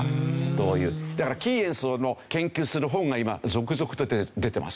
だからキーエンスを研究する本が今続々と出てますけど。